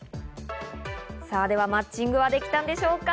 さぁ、ではマッチングはできたんでしょうか？